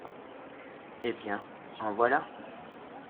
Eh bien, en voilà!